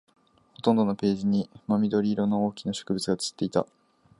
ほとんどのページに真緑色の大きな植物が写っていた